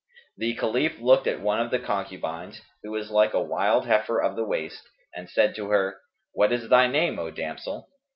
The Caliph looked at one of the concubines, who was like a wild heifer of the waste, and said to her, "What is thy name, O damsel?"